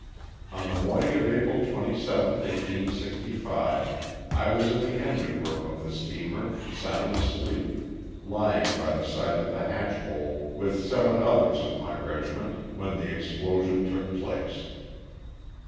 On the morning of April 27, 1865, I was in the engine room of of the steamer sound asleep, lying by the side of the hatch hole with seven others of my regiment, when the explosion took place.